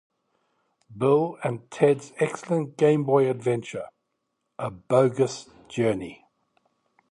Bill and Ted's Excellent Game Boy Adventure: A Bogus Journey!